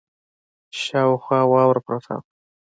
شاوخوا واوره پرته وه.